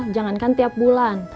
jangankan tiap bulan